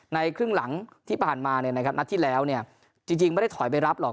ครึ่งหลังที่ผ่านมานัดที่แล้วจริงไม่ได้ถอยไปรับหรอก